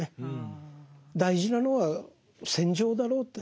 大事なのは戦場だろうって。